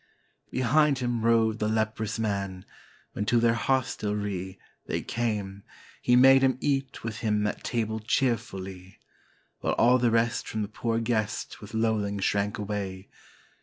Behind him rode the leprous man; when to their hostel rie They came, he made him eat with him at table cheer fully; While all the rest from the poor guest with loathing shrank away.